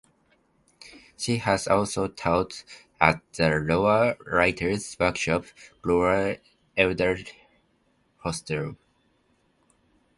She has also taught at the Iowa Writers' Workshop, Iowa Elderhostel.